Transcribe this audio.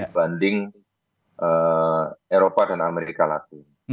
dibanding eropa dan amerika latim